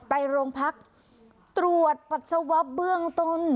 ไปโรงพักตรวจปัสสาวะเบื้องต้น